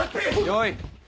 よい。